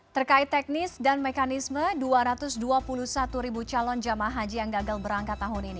terkait teknis dan mekanisme dua ratus dua puluh satu ribu calon jemaah haji yang gagal berangkat tahun ini